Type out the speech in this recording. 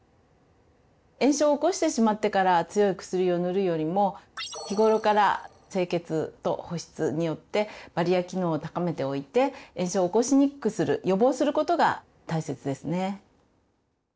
炎症を起こしてしまってから強い薬を塗るよりも日頃から清潔と保湿によってバリア機能を高めておいて炎症を起こしにくくする予防することが大切ですね。